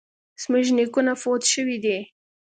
زموږ نیکونه فوت شوي دي